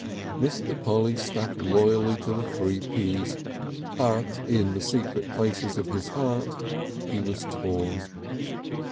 Mr. Polly stuck loyally to the Three Ps, but in the secret places of his heart he was torn.